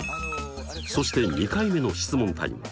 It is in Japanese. そして２回目の質問タイム。